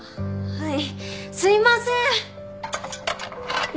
はい。